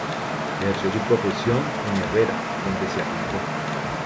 Ejerció su profesión en Herrera, donde se afincó.